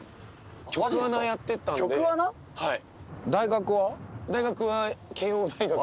はい。